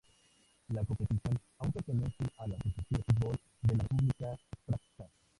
La competición aún pertenece a la Asociación de Fútbol de la República Srpska.